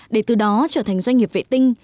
để từ đó trở thành doanh nghiệp vệ tinh